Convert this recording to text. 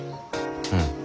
うん。